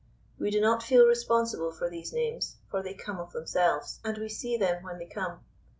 We do not feel responsible for these names, for they come of themselves, and we see them when they come.